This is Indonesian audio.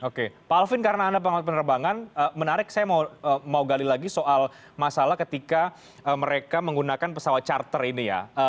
oke pak alvin karena anda pengawas penerbangan menarik saya mau gali lagi soal masalah ketika mereka menggunakan pesawat charter ini ya